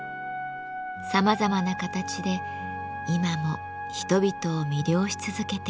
さまざまな形で今も人々を魅了し続けています。